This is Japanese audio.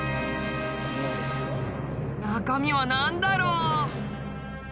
中身は何だろう？